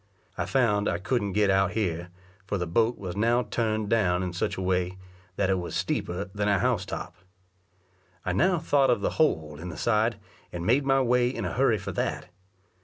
I found I couldn't get out here, for the boat was now turned down in such a way, that it was steeper than a house top. I now thought of the hole in the side, and made my way in a hurry for that.